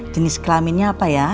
jenis kelaminnya apa ya